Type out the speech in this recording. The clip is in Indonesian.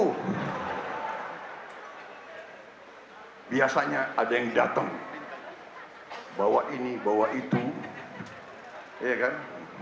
hai biasanya ada yang datang bawa ini bawa itu ya kan